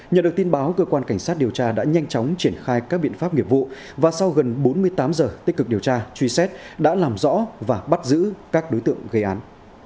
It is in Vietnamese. nhờ được tin báo cơ quan cảnh sát điều tra đã nhanh chóng triển khai các biện pháp nghiệp vụ và sau gần bốn mươi tám giờ tích cực điều tra truy xét đã làm rõ và bắt giữ các đối tượng gây án